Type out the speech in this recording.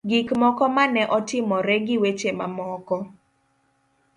Gik moko ma ne otimore gi weche mamoko.